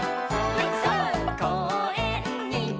「こうえんに」